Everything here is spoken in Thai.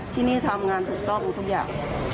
ที่นี่ทำงานถูกต้องทุกอย่าง